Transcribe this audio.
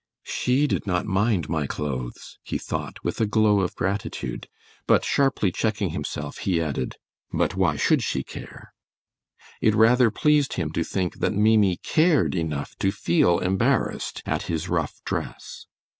"SHE did not mind my clothes," he thought, with a glow of gratitude, but sharply checking himself, he added, "but why should she care?" It rather pleased him to think that Maimie cared enough to feel embarrassed at his rough dress.